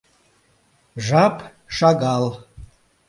Жап шагал.